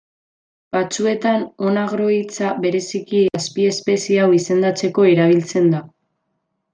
Batzuetan onagro hitza bereziki azpiespezie hau izendatzeko erabiltzen da.